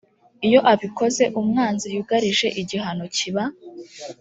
iyo abikoze umwanzi yugarije igihano kiba